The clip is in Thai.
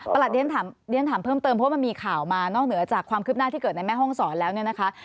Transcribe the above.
เรียนถามเพิ่มเติมเพราะมันมีข่าวมานอกเหนือจากความคืบหน้าที่เกิดในแม่ห้องศรแล้วเนี่ยนะคะ